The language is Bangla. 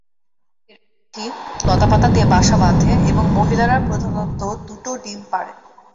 এরা কাঠি, লতা পাতা দিয়ে বাসা বাঁধে এবং মহিলারা প্রধানত দুটো ডিম পারে।